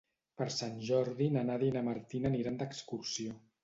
Per Sant Jordi na Nàdia i na Martina aniran d'excursió.